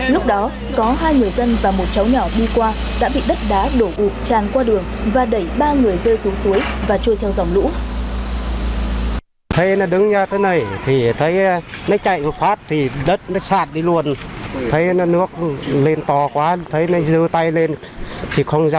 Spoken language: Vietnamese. lúc đó có hai người dân và một cháu nhỏ đi qua đã bị đất đá đổ ụp tràn qua đường và đẩy ba người rơi xuống suối và trôi theo dòng lũ